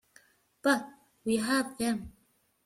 But we have them!